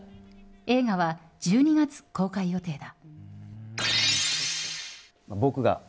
映画は１２月公開予定だ。